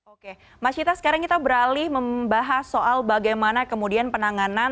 oke mas cita sekarang kita beralih membahas soal bagaimana kemudian penanganan